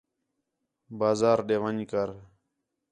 بازار ݙے ون٘ڄ کر